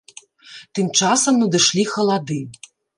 Тым часам надышлі халады.